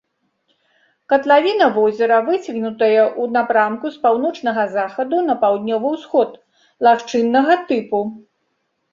Катлавіна возера выцягнутая ў напрамку з паўночнага захаду на паўднёвы усход, лагчыннага тыпу.